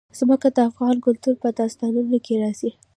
ځمکه د افغان کلتور په داستانونو کې راځي.